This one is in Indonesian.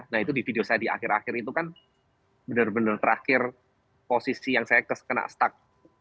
nah itu di video saya di akhir akhir itu kan benar benar terakhir posisi yang saya kena stak